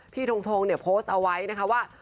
ทงเนี่ยโพสต์เอาไว้นะคะว่า